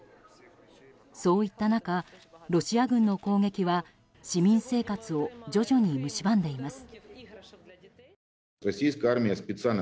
そういった中、ロシア軍の攻撃は市民生活を徐々にむしばんでいます。